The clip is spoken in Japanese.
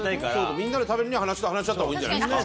みんなで食べるには話し合った方がいいんじゃないですか？